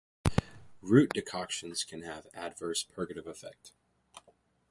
Root decoctions can have adverse purgative effect.